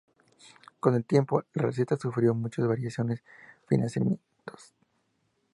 Con el tiempo, la receta sufrió muchas variaciones y refinamientos.